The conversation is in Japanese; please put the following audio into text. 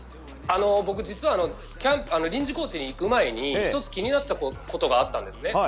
僕、実は臨時コーチに行く前に１つ、気になったことがあったんですね。